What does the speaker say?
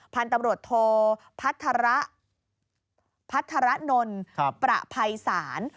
พันธุ์ตำรวจโทพัธรนนต์ประไพรศาล